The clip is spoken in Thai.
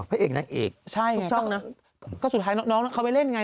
พระเอกนักเอกใช่ช่องนะก็สุดท้ายน้องน้องเขาไปเล่นยังไง